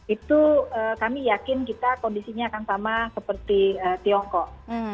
itu kami yakin kita kondisinya akan sama seperti tiongkok